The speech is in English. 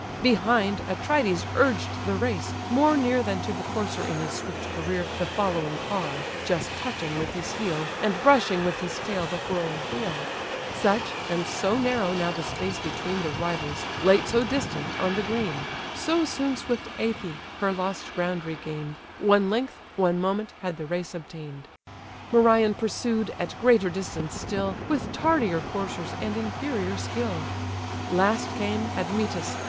Behind, Atrides urged the race, more near Than to the courser in his swift career The following car, just touching with his heel And brushing with his tail the whirling wheel: Such, and so narrow now the space between The rivals, late so distant on the green; So soon swift Æthe her lost ground regain'd, One length, one moment, had the race obtain'd. Merion pursued, at greater distance still, With tardier coursers, and inferior skill. Last came, Admetus!